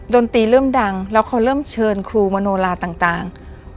ดนตรีเริ่มดังแล้วเขาเริ่มเชิญครูมโนลาต่าง